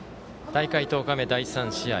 大会１０日目、第３試合。